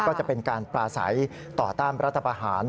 ก็จะเป็นการปราศัยต่อต้านรัฐประหาร